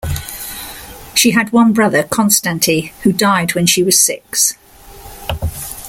She had one brother, Konstanty, who died when she was six.